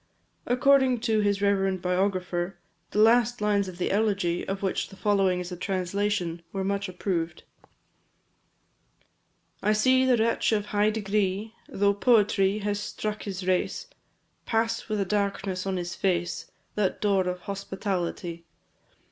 According to his reverend biographer, the last lines of the elegy, of which the following is a translation, were much approved. I see the wretch of high degree, Though poverty has struck his race, Pass with a darkness on his face That door of hospitality.